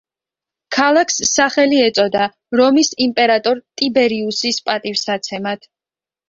ქალაქს სახელი ეწოდა რომის იმპერატორ ტიბერიუსის პატივსაცემად.